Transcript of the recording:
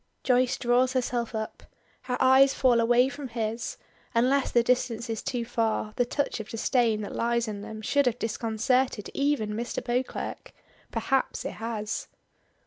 Joyce draws herself up. Her eyes fall away from his; unless the distance is too far, the touch of disdain that lies in them should have disconcerted even Mr. Beauclerk. Perhaps it has!